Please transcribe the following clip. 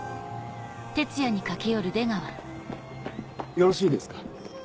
よろしいですか？